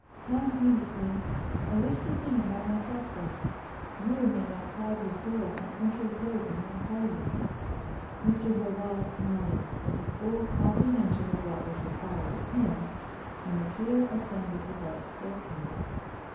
"Not immediately. I wish to see him by myself first. You remain outside his door, and enter with Rosa when I call you." Mr. Horval nodded, with a full comprehension of what was required of him, and the trio ascended the dark staircase.